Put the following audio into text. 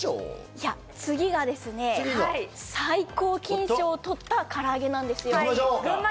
いや、次がですね、最高金賞を取った唐揚げなんですよ。